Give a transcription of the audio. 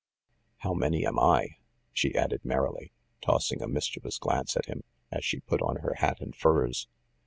How many am I ?" she added merrily, tossing a mischievous glance at him, as she put on her hat and furs.